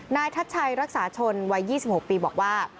ทัชชัยรักษาชนวัย๒๖ปีบอกว่า